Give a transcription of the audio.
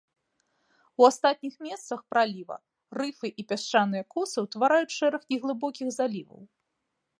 У астатніх месцах праліва рыфы і пясчаныя косы ўтвараюць шэраг неглыбокіх заліваў.